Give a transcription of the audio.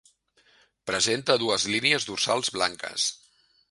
Presenta dues línies dorsals blanques.